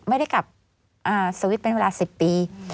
ไม่ได้กลับสวิตช์เป็นเวลา๑๐ปี